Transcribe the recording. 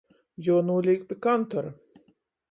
Juonūlīk pi kantora.